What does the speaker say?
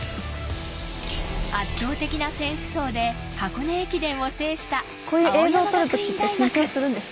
圧倒的な選手層で箱根駅伝を制した青山学院大学。